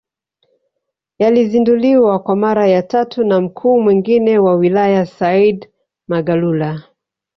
Yalizinduliwa kwa mara ya tatu na mkuu mwingine wa wilaya Said Magalula